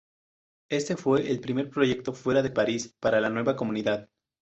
Este fue el primer proyecto fuera de París para la nueva comunidad.